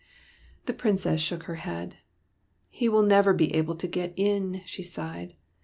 The Princess shook her head. '' He will never be able to get in," she sighed.